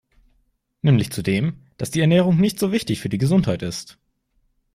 Nämlich zu dem, dass die Ernährung nicht so wichtig für die Gesundheit ist.